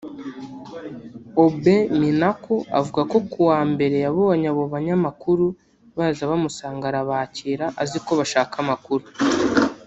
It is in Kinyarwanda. Aubin Minaku avuga ko ku wa mbere yabonye abo banyamakuru baza bamusanga arabakira azi ko bashaka amakuru